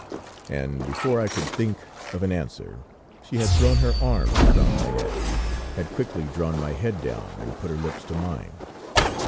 "And before I could think of an answer, she had thrown her arms round my neck, had quickly drawn my head down and put her lips to mine.